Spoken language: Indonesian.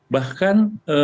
bahkan di apoteknya